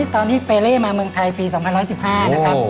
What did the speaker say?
ตอนนี้เปเล่มาเมืองไทยปี๒๑๑๕นะครับ